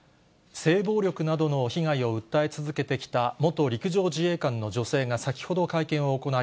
性暴力などの被害を訴え続けてきた元陸上自衛官の女性が先ほど会見を行い、